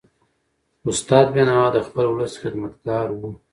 استاد بینوا د خپل ولس خدمتګار و.